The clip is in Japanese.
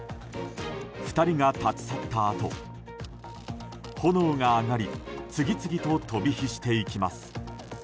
２人が立ち去ったあと炎が上がり次々と飛び火していきます。